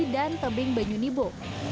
dan tembing banyu nibo